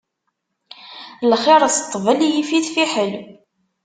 Lxiṛ s ṭṭbel, yif-it fiḥel.